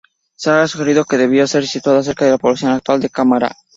Se ha sugerido que debió estar situada cerca de la población actual de Kamara.